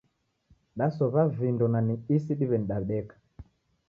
Dasow'a vindo na ni isidiweni dadeka